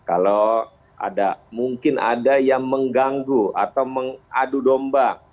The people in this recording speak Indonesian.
kalau ada mungkin ada yang mengganggu atau mengadu domba